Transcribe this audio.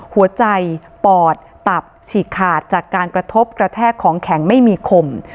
หัวใจปอดตับฉีกขาดจากการกระทบกระแทกของแข็งไม่มีคม